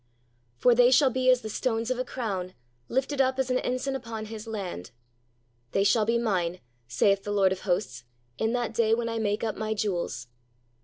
"For they shall be as the stones of a crown, lifted up as an ensign upon His land." "They shall be Mine, saith the Lord of hosts, in that day when I make up My jewels."